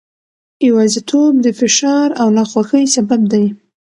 یوازیتوب د فشار او ناخوښۍ سبب دی.